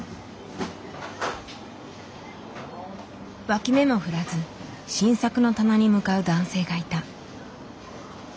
脇目も振らず新作の棚に向かう男性がいた。